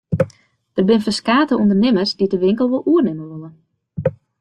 Der binne ferskate ûndernimmers dy't de winkel wol oernimme wolle.